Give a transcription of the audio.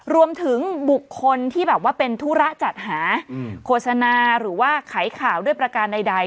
รวมถึงบุคคลที่แบบว่าเป็นธุระจัดหาโฆษณาหรือว่าไขข่าวด้วยประการใด